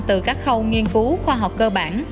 từ các khâu nghiên cứu khoa học cơ bản